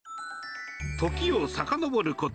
時をさかのぼること